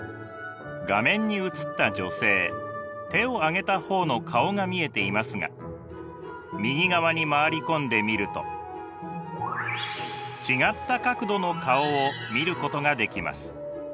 画面に映った女性手を上げた方の顔が見えていますが右側に回り込んで見ると違った角度の顔を見ることができます。